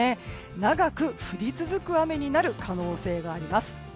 長く降り続く雨になる可能性があります。